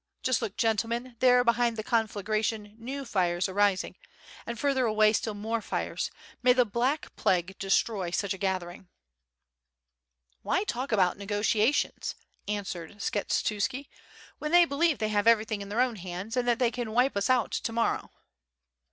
just look, gentlemen, there behind the conflagration new fires arising, and further away still more fires, may the black plague destroy such a gathering." "Why talk about negotiations," answered Skshetuski, "when they believe they have everything in their own hands and that they can wipe us out to morrow."